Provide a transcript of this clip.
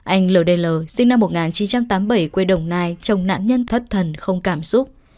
anh l d l sinh năm một nghìn chín trăm tám mươi bảy quê đồng nai chồng nạn nhân thất thần không cảm xúc